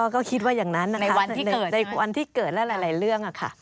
ก็คิดว่าอย่างนั้นในวันที่เกิดและหลายเรื่องค่ะ